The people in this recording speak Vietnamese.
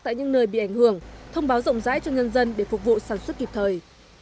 tại những nơi bị ảnh hưởng thông báo rộng rãi cho nhân dân để phục vụ sản xuất kịp thời